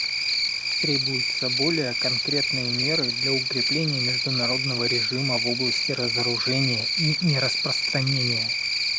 Требуются более конкретные меры для укрепления международного режима в области разоружения и нераспространения.